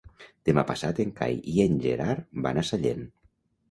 Demà passat en Cai i en Gerard van a Sallent.